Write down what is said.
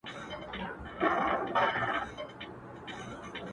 له خپل ځان سره ږغيږي_